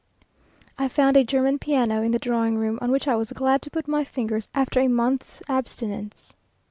I found a German piano in the drawing room, on which I was glad to put my fingers after a month's abstinence.